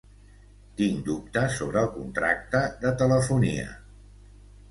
Tinc dubtes sobre el contracte de telefonia.